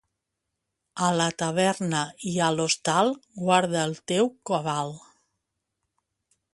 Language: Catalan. A la taverna i a l'hostal guarda el teu cabal.